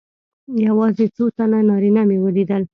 یوازې څو تنه نارینه مې ولیدل.